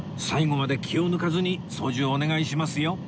最後まで気を抜かずに操縦お願いしますよ